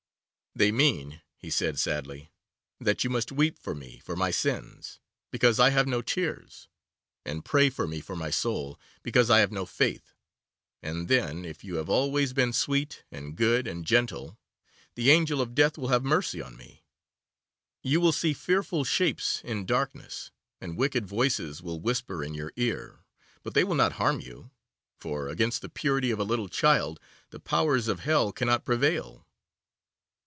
'They mean,' he said sadly, 'that you must weep for me for my sins, because I have no tears, and pray with me for my soul, because I have no faith, and then, if you have always been sweet, and good, and gentle, the Angel of Death will have mercy on me. You will see fearful shapes in darkness, and wicked voices will whisper in your ear, but they will not harm you, for against the purity of a little child the powers of Hell cannot prevail.